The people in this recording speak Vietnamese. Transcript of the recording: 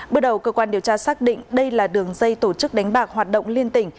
bước đầu cơ quan điều tra xác định đây là đường dây tổ chức đánh bạc hoạt động liên tỉnh